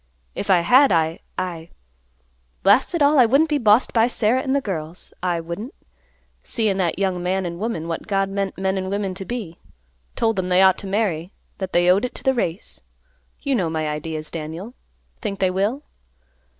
If I had I—I—Blast it all; I wouldn't be bossed by Sarah and the girls, I wouldn't. See in that young man and woman what God meant men and women to be. Told them they ought to marry; that they owed it to the race. You know my ideas, Daniel. Think they will?"